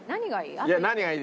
何がいい？